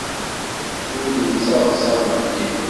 Wid yettaḍsan fell-i!